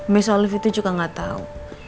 miss olive itu juga gak tau